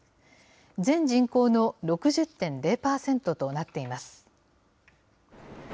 全人口の６０．０％となっています。